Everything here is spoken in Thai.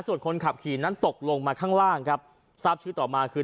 ส่วนคนขับขี่นั้นตกลงมาข้างล่างครับทราบชื่อต่อมาคือ